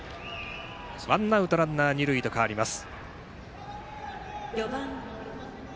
ワンアウトランナー、二塁と変わります。